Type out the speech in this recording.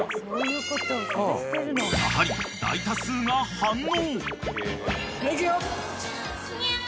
［やはり大多数が反応］